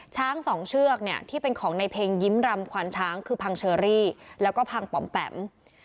ช้างสองเชือกเนี่ยที่เป็นของในเพลงยิ้มรำควานช้างคือพังเชอรี่แล้วก็พังปอมแปม